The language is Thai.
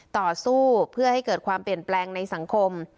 ต่อสู้เพื่อให้เกิดความเปลี่ยนแปลงในสังคม